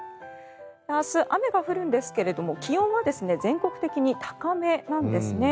明日、雨が降るんですが気温は全国的に高めなんですね。